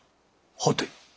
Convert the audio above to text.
はて？